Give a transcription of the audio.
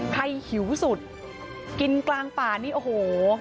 หิวสุดกินกลางป่านี่โอ้โห